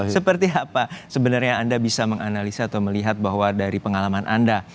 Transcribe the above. seperti apa sebenarnya anda bisa menganalisa atau melihat bahwa dari pengalaman anda